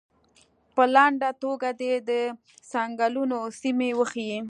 په لنډه توګه دې د څنګلونو سیمې وښیي.